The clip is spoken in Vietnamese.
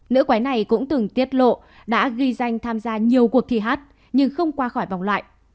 nữ quái này cũng từng tiết lộ đã ghi danh tham gia nhiều cuộc thi hát nhưng không qua khỏi vòng loại